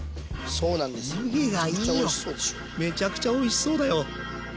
めちゃくちゃおいしそうだよ。